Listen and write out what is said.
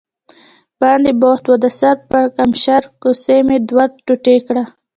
باندې بوخت و، د سر پړکمشر کوسۍ مې دوه ټوټې کړه.